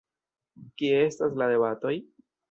Kie estas la debatoj?